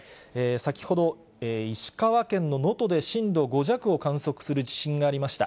先ほど石川県の能登で震度５弱を観測する地震がありました。